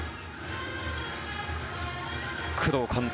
工藤監督